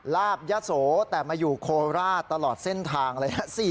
ลาบยะโสแต่มาอยู่โคราชตลอดเส้นทางเลยนะ